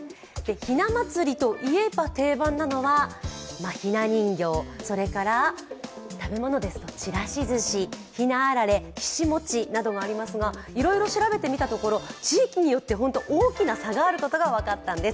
ひな祭りといえば定番なのがひな人形、それから食べ物ですとちらしずし、ひなあられ、ひし餅などがありますが、いろいろ調べてみたところ、地域によって大きな差があることが分かったんです。